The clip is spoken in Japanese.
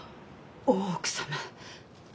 大奥様。